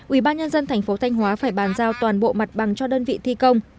ubnd tp thanh hóa phải bàn giao toàn bộ mặt bằng cho đơn vị thi công